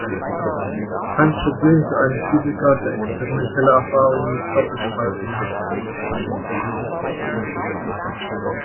Kein Problem für einen Physiker, der experimentelle Erfahrung mit Doppelspalten hat.